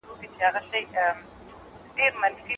آیا کلتوري تنوع د اجتماعي پرمختګ لپاره مهمه ده؟